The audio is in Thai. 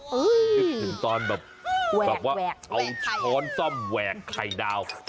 เห็นตอนแบบแหวกแหวกไข่แบบว่าเอาช้อนซ่อมแหวกไข่ดาว